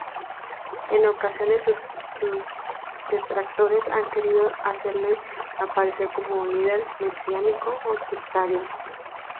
En ocasiones, sus detractores han querido hacerle aparecer como líder mesiánico o sectario.